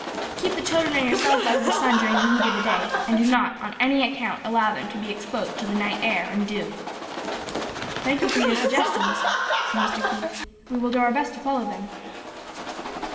"Keep the children and yourselves out of the sun during the heat of the day, and do not on any account allow them to be exposed to the night air and dew." "Thank you for your suggestions," said Mr. Keith, "we will do our best to follow them."